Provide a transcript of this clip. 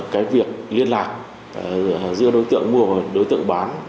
cái việc liên lạc giữa đối tượng mua và đối tượng bán